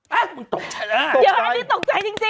ฮะมึงตกใจแล้วอ่ะเดี๋ยวอันนี้ตกใจจริง